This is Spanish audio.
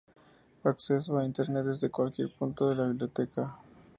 Acceso a Internet desde cualquier punto de la Biblioteca.